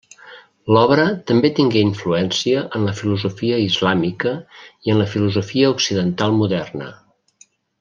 L'obra també tingué influència en la filosofia islàmica i en la filosofia occidental moderna.